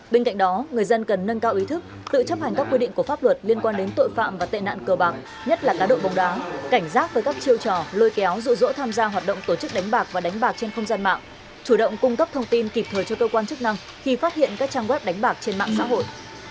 bên cạnh đó người dân cần nâng cao ý thức tự chấp hành các quy định của pháp luật liên quan đến tội phạm và tệ nạn cờ bạc nhất là cá độ bóng đá cảnh giác với các chiêu trò lôi kéo dụ dỗ tham gia hoạt động tổ chức đánh bạc và đánh bạc trên không gian mạng chủ động cung cấp thông tin kịp thời cho cơ quan chức năng khi phát hiện các trang web đánh bạc trên mạng xã hội